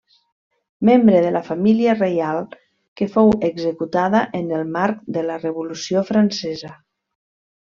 Membre de la família reial que fou executada en el marc de la Revolució Francesa.